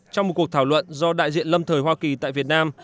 trong một cuộc thảo luận do đại diện lâm thời hoa kỳ tại việt nam